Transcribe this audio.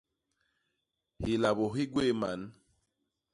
Hilabô hi gwéé man.